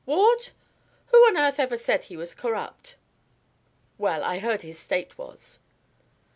Ward? Who on earth ever said he was corrupt?" "Well, I heard his State was."